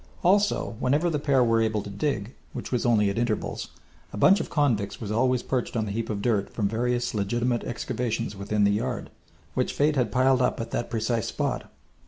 Also whenever the pair were able to dig, which was only at intervals, a bunch of convicts was always perched on the heap of dirt from various legitimate excavations within the yard, which Fate had piled up at that precise spot.